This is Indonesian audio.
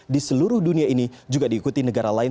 di seluruh dunia ini juga diikuti negara lain